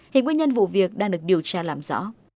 hiện nguyên nhân vụ việc đang được điều tra làm rõ